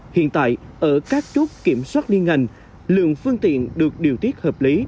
hiện tại ở các chốt kiểm soát liên ngành lượng phương tiện được điều tiết hợp lý